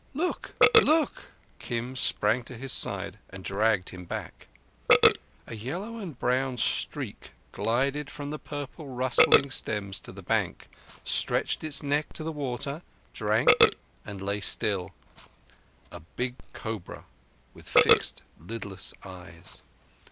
"Look! Look!" Kim sprang to his side and dragged him back. A yellow and brown streak glided from the purple rustling stems to the bank, stretched its neck to the water, drank, and lay still—a big cobra with fixed, lidless eyes.